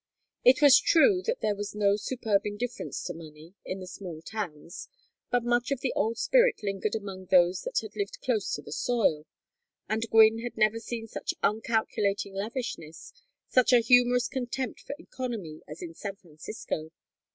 It was true that there was no superb indifference to money in the small towns, but much of the old spirit lingered among those that lived close to the soil; and Gwynne had never seen such uncalculating lavishness, such a humorous contempt for economy as in San Francisco.